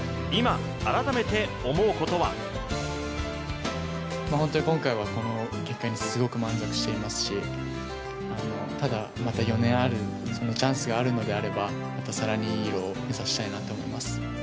今、改めて思うことは本当に今回はこの結果にすごく満足していますしただ、また４年ある、そのチャンスがあるのであればまた更にいい色を目指したいなと思います。